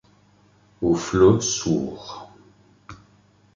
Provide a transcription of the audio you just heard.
Aux flots sourds !